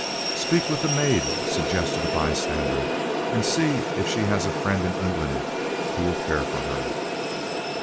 "Speak with the maid," suggested a by stander, "and see if she has a friend in England who will care for her."